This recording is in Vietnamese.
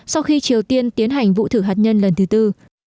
sau khi triều tiên tiến hành vụ thử hạt nhân lần thứ tư